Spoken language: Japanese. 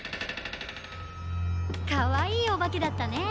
かわいいおばけだったね。